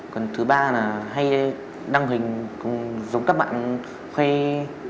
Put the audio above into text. còn thứ ba là hay đăng hình giống các bạn khuê